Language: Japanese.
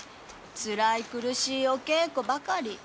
辛い苦しいお稽古ばかり。